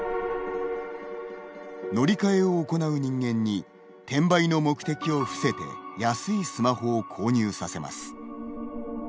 乗り換えを行う人間に転売の目的を伏せて安いスマホを購入させます。